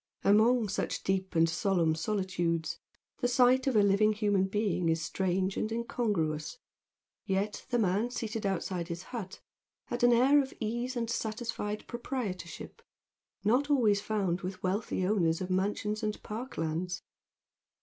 Among such deep and solemn solitudes the sight of a living human being is strange and incongruous, yet the man seated outside his hut had an air of ease and satisfied proprietorship not always found with wealthy owners of mansions and park lands.